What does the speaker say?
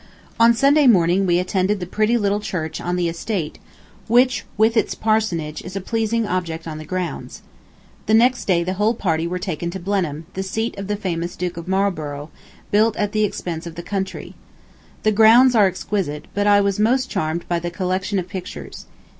On Sunday morning we attended the pretty little church on the estate which with its parsonage is a pleasing object on the grounds. The next day the whole party were taken to Blenheim, the seat of the famous Duke of Marlborough, built at the expense of the country. The grounds are exquisite, but I was most charmed by the collection of pictures.